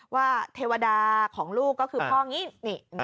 ว่าเทวดาของลูกก็คือพ่อนี้นิ